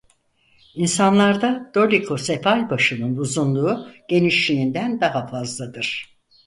İnsanlarda dolikosefal başının uzunluğu genişliğinden daha fazladır.